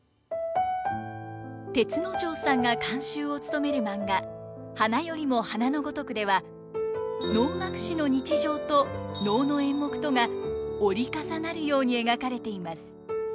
銕之丞さんが監修を務めるマンガ「花よりも花の如く」では能楽師の日常と能の演目とが折り重なるように描かれています。